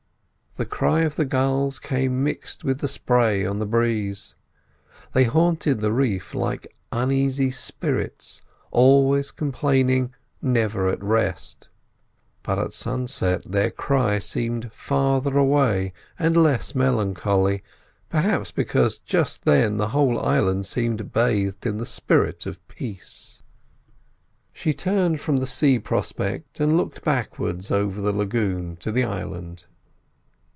The cry of the gulls came mixed with the spray on the breeze. They haunted the reef like uneasy spirits, always complaining, never at rest; but at sunset their cry seemed farther away and less melancholy, perhaps because just then the whole island world seemed bathed in the spirit of peace. She turned from the sea prospect and looked backwards over the lagoon to the island.